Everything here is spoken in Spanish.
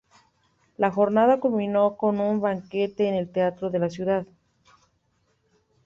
La jornada culminó con un banquete en el teatro de la ciudad.